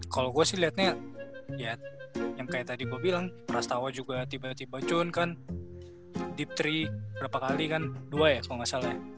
kalau gue sih lihatnya ya yang kayak tadi gue bilang prastawa juga tiba tiba cun kan deep tiga berapa kali kan dua ya kalau nggak salah